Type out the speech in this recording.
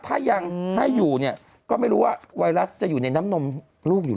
ถ้ายังให้อยู่เนี่ยก็ไม่รู้ว่าไวรัสจะอยู่ในน้ำนมลูกหรือ